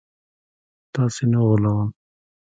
تاسي نه غولوم